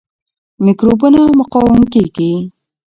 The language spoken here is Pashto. میکروبونه مقاوم کیږي.